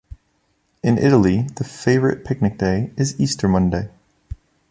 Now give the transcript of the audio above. In Italy, the favorite picnic day is Easter Monday.